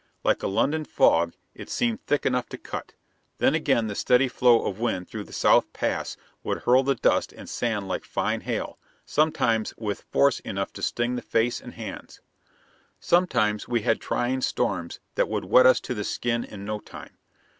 Like a London fog, it seemed thick enough to cut. Then again, the steady flow of wind through the South Pass would hurl the dust and sand like fine hail, sometimes with force enough to sting the face and hands. Sometimes we had trying storms that would wet us to the skin in no time.